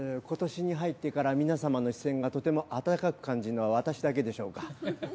今年に入ってから皆様の視線がとても暖かく感じるのは私だけでしょうか。